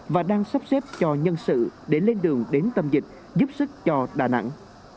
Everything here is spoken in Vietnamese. và đang sắp xếp cho nhân sự để lên đường đến tâm dịch giúp sức cho đà nẵng